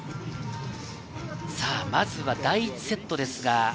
まずは第１セットです。